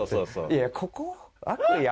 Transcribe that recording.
いやここ？